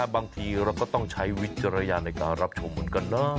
บางทีเราก็ต้องใช้วิจารณญาณในการรับชมเหมือนกันนะ